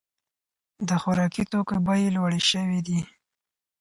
د خوراکي توکو بیې لوړې شوې دي.